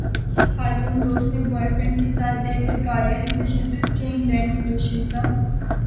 خاتون دوست نے بوائے فرینڈ کے ساتھ دیکھ کر گالیاں دیں تشدد کیا انگلینڈ کی دوشیزہ